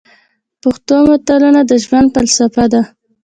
پښتو متلونه د ژوند فلسفه ده.